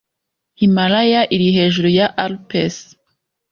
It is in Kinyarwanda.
Himalaya iri hejuru ya Alpes. .